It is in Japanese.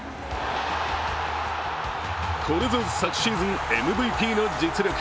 これぞ昨シーズンＭＶＰの実力。